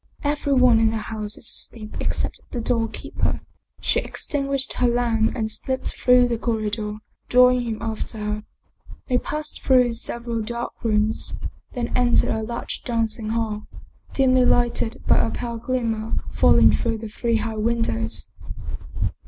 Every one in the house is asleep except the doorkeeper." She extinguished her lamp and slipped through the cor ridor, drawing him after her. They passed through sev eral dark rooms, then entered a large dancing hall, dimly 51 German Mystery Stories lighted by a pale glimmer falling through the three high windows.